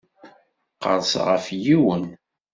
Qerrseɣ ɣef yiwen.